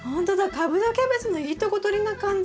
カブとキャベツのいいとこ取りな感じ。